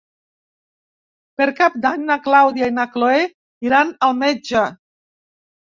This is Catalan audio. Per Cap d'Any na Clàudia i na Cloè iran al metge.